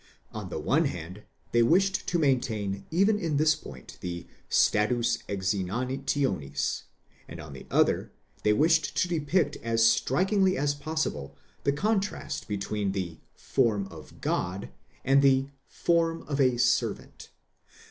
On the one hand, they wished to maintain even in this point the status exinanitionis, and on the other, they wished to depict as strikingly as possible the contrast between the μορφὴ θεοῦ (form of God) and the μορφὴ δούλου (form of a servant).